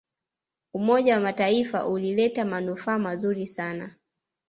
umoja wa mataifa ulileta manufaa mazuri sana